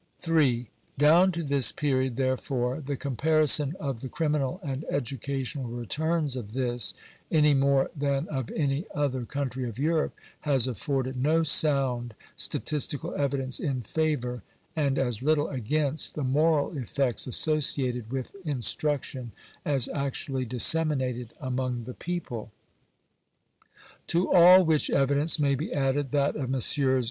" 3. Down to this period, therefore, the comparison of the criminal *nd educational returns of this, any more than of any other country of Europe, has afforded no sound statistical evi dence in favour, and as little against, the moral effects associated with instruction, as actually disseminated among the people." a To all which evidence may be added that of Messrs.